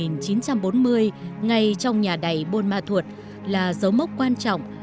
ngay trong nhà đầy bôn ma thuột là dấu mốc quan trọng